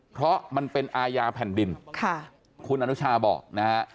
เพราะมันเป็นอาญาแผ่นดินค่ะคุณอนุชาบอกนะฮะ